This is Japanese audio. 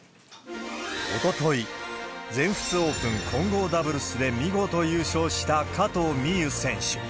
おととい、全仏オープン混合ダブルスで見事優勝した加藤未唯選手。